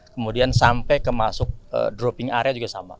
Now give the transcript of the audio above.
kemudian sampai kemasuk dropping area juga sama